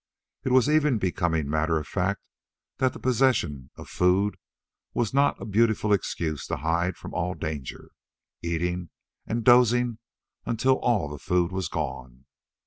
It was even becoming matter of fact that the possession of food was not a beautiful excuse to hide from all danger, eating and dozing until all the food was gone.